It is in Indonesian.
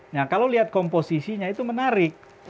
nah kalau lihat komposisinya itu menarik